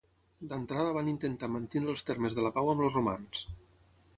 D'entrada van intentar mantenir els termes de la pau amb els romans.